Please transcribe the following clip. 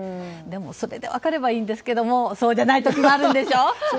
でも、それで分かればいいんですけどもそうじゃない時もあるんでしょ。